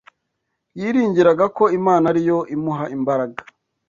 Yiringiraga ko Imana ari yo imuha imbaraga